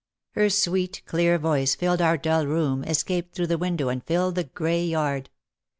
Her sweet, clear voice filled our dull room, escaped through the window and filled the grey yard.